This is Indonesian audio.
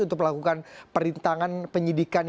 untuk melakukan perintangan penyidikan